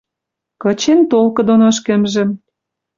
Кычен толкы доно ӹшкӹмжӹм